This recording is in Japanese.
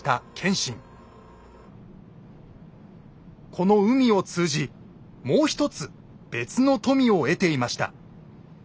この海を通じもう一つ別の富を得ていました。